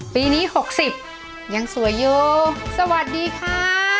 ปีนี้๖๐ยังสวยอยู่สวัสดีค่ะ